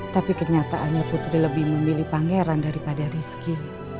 tapi kenyataannya putri lebih memilih pangeran daripada rizki